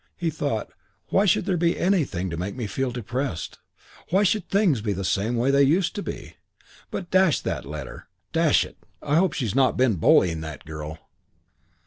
He thought, "Why should there be anything to make me feel depressed? Why should things be the same as they used to be? But dash that letter.... Dash it, I hope she's not been bullying that girl."